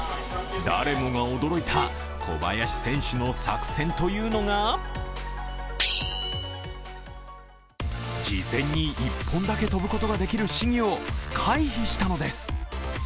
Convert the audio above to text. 誰もが驚いた小林選手の作戦というのが事前に１本だけ飛ぶことができる試技を回避したのです。